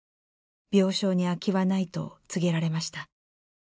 病床に空きはないと告げられました。